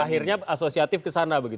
akhirnya asosiatif ke sana begitu ya